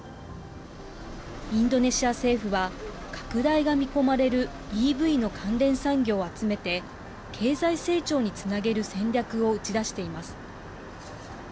インドネシア政府は拡大が見込まれるＥＶの関連産業を集めて、経済成長につなげる戦略を打ち出しています。